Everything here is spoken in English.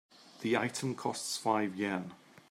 The item costs five Yen.